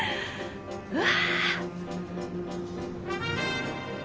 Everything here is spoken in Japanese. うわ。